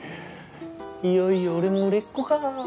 いよいよ俺も売れっ子か。